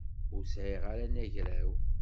Ur sɛiɣ ara anagraw.